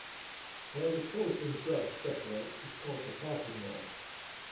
Where the cope and drag separates is called the parting line.